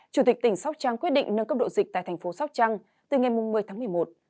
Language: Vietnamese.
chủ tịch tỉnh sóc trăng quyết định nâng cấp độ dịch tại thành phố sóc trăng từ ngày một mươi tháng một mươi một